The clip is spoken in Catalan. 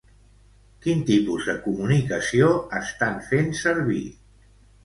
Quin tipus de comunicació estan fent servir?